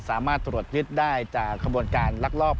สามารถตรวจยึดได้จากขบวนการลักลอบ